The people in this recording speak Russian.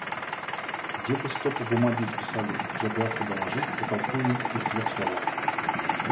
Где бы стопу бумаги исписали, я графу доложу, потолкуем, и в трех словах.